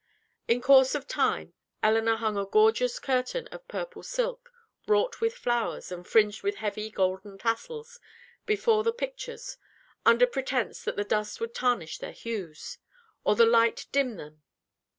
In course of time, Elinor hung a gorgeous curtain of purple silk, wrought with flowers, and fringed with heavy golden tassels, before the pictures, under pretence that the dust would tarnish their hues, or the light dim them.